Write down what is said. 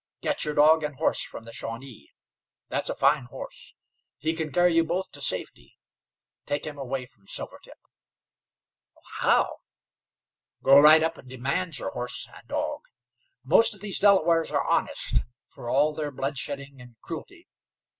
Get your dog and horse from the Shawnee. That's a fine horse. He can carry you both to safety. Take him away from Silvertip." "How?" "Go right up and demand your horse and dog. Most of these Delawares are honest, for all their blood shedding and cruelty.